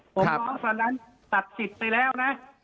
ผมรอกตอนนั้นตัดสิทธิไปแล้วนะวันนี้ขุมิถาสมัครบัญชีนายก